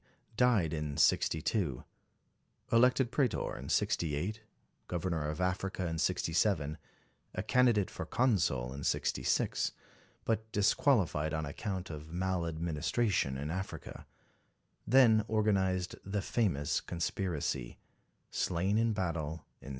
died in 62; elected Pretor in 68; GtoTernor of Africa in 67; a candidate for Consul in 66, but disqualified on account of maladministration in Africa; then organised the famous conspiracy; slain in battle in 68.